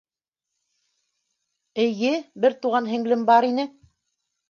— Эйе, бер туған һеңлем бар ине.